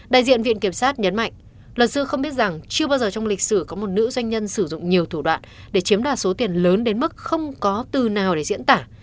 đại diện viện kiểm sát nhấn mạnh luật sư không biết rằng chưa bao giờ trong lịch sử có một nữ doanh nhân sử dụng nhiều thủ đoạn để chiếm đoạt số tiền lớn đến mức không có từ nào để diễn tả